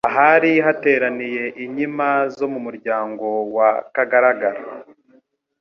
ahari hateraniye Inkima zo mu muryango wa Kagaragara